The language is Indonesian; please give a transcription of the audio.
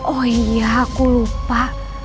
oh iya aku lupa